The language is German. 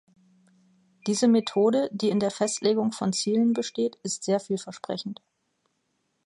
Diese Methode, die in der Festlegung von Zielen besteht, ist sehr vielversprechend.